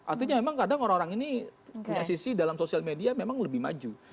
artinya memang kadang orang orang ini punya sisi dalam sosial media memang lebih maju